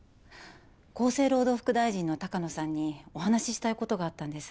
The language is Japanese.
厚生労働副大臣の鷹野さんにお話したいことがあったんです。